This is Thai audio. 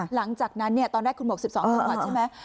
หลังจากนั้นเนี่ยตอนแรกคุณบอกสิบสองจังหวัดใช่ไหม